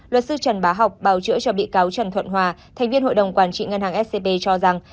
luật sư trần bá học bào chữa cho bị cáo trần thuận hòa thành viên hội đồng quản trị ngân hàng scb cho rằng